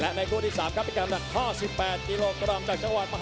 และในกูที่สามครับเป็นกำหนักค้าหมดสิบแปดกิโลกรัม